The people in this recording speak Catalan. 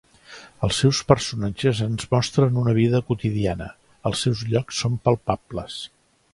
Els seus personatges ens mostren una vida quotidiana; els seus llocs són palpables.